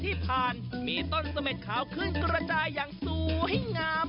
ที่ผ่านมามีต้นเสม็ดขาวขึ้นกระจายอย่างสวยงาม